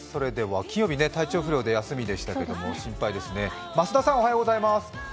金曜日、体調不良で休みでしたけれども心配ですね。